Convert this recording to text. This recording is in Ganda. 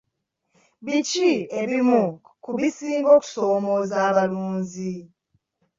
Biki ebimu ku bisinga okusoomooza abalunzi?